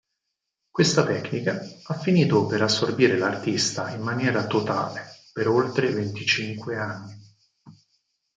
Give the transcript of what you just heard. Questa tecnica ha finito per assorbire l'artista in maniera totale per oltre venticinque anni.